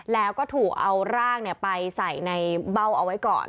แล้วก็ถูกเอาร่างไปใส่ในเบ้าเอาไว้ก่อน